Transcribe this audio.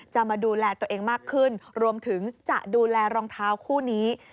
มาดูแลตัวเองมากขึ้นรวมถึงจะดูแลรองเท้าคู่นี้